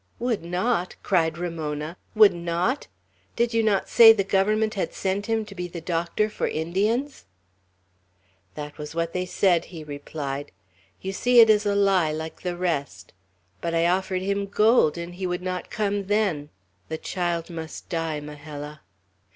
"Would not!" cried Ramona. "Would not! Did you not say the Government had sent him to be the doctor for Indians?" "That was what they said," he replied. "You see it is a lie, like the rest! But I offered him gold, and he would not come then. The child must die, Majella!"